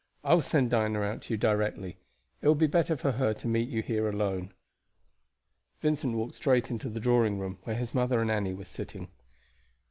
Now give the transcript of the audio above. I will send Dinah out to you directly. It will be better for her to meet you here alone." Vincent walked straight into the drawing room, where his mother and Annie were sitting.